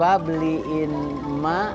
jangan lupa beliin ma